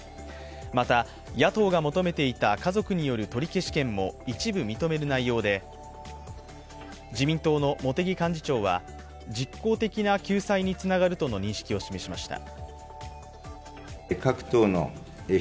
また野党が求めていた家族による取り消し権も一部認める内容で自民党の茂木幹事長は、実効的な救済につながるとの認識を示しました。